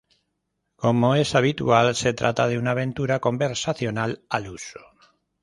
Como es habitual, se trata de una aventura conversacional al uso.